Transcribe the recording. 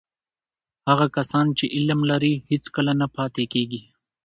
هغه کسان چې علم لري، هیڅکله نه پاتې کېږي.